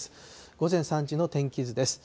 午前３時の天気図です。